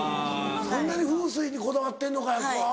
そんなに風水にこだわってんのかやっこは。